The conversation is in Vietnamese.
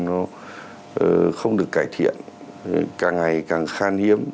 nó không được cải thiện càng ngày càng khan hiếm